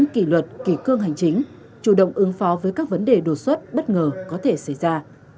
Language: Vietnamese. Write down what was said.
kỷ luật kỷ cương hành chính chủ động ứng phó với các vấn đề đột xuất bất ngờ có thể xảy ra